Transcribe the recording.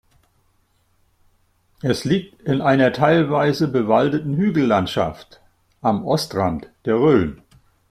Es liegt in einer teilweise bewaldeten Hügellandschaft am Ostrand der Rhön.